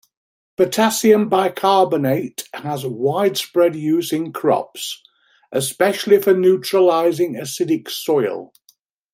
Potassium bicarbonate has widespread use in crops, especially for neutralizing acidic soil.